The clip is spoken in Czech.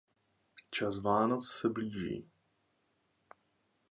Čas Vánoc se blíží.